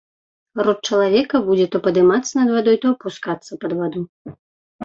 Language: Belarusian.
Рот чалавека будзе то падымацца над вадой, то апускацца пад ваду.